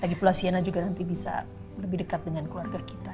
lagipula sienna juga nanti bisa lebih dekat dengan keluarga kita